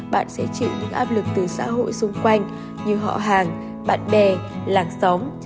bạn sẽ chịu những áp lực từ xã hội xung quanh như họ hàng bạn bè làng xóm